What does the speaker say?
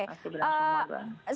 masih berlangsung warga